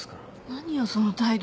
何よその態度。